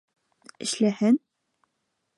Эшләһен!